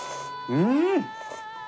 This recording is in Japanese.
うん！